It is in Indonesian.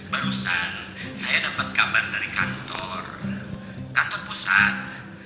barusan saya dapat kabar dari kantor kantor pusat